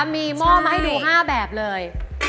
มีหม้อมาให้ดู๕แบบเลย